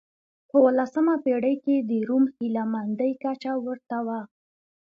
په اولسمه پېړۍ کې د روم هیله مندۍ کچه ورته و.